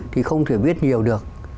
thì không thể biết nhiều được